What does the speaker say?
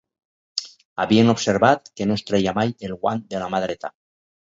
Havien observat que no es treia mai el guant de la mà dreta.